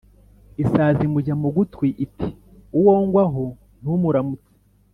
Isazi imujya mu gutwi iti: "Uwo ngwaho ntumuramutse"